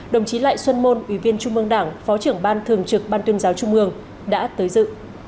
đồng chí lại xuân môn ủy viên trung mương đảng phó trưởng ban thường trực ban tuyên giáo trung mương đã tới dự